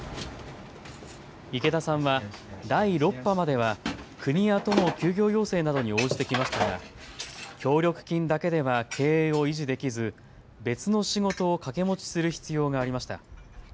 池田さんは第６波までは国や都の休業要請などに応じてきましたが協力金だけでは経営を維持できず別の仕事を掛け持ちする必要がありました。